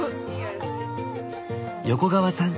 横川さん